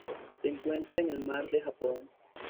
Se encuentra en el Mar del Japón.